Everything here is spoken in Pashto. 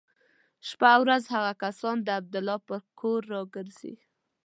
شپه او ورځ هغه کسان د عبدالله پر کور را ګرځي.